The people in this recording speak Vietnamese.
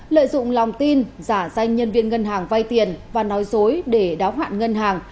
lợi dụng lòng tin giả danh nhân viên ngân hàng vay tiền và nói dối để đáo hoạn ngân hàng